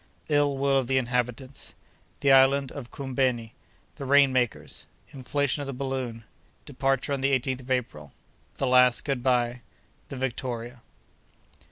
—Ill will of the Inhabitants.—The Island of Koumbeni.—The Rain Makers.—Inflation of the Balloon.—Departure on the 18th of April.—The last Good by.—The Victoria.